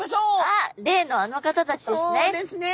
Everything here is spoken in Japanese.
あっ例のあの方たちですね。